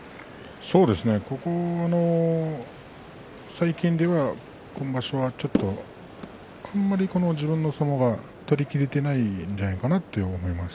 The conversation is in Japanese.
ここ最近では、今場所あまり自分の相撲が取りきれていないんじゃないかなと思います。